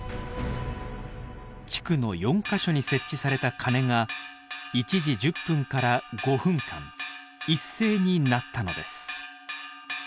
地区の４か所に設置された鐘が１時１０分から５分間一斉に鳴ったのです。